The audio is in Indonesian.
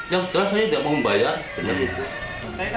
yang jelas saya nggak mau membayar